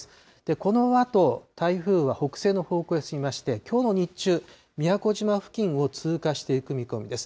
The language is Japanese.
このあと台風は北西の方向へ進みまして、きょうの日中、宮古島付近を通過していく見込みです。